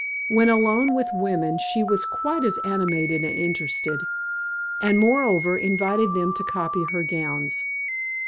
When alone with women she was quite as animated and interested, and, moreover, invited them to copy her gowns.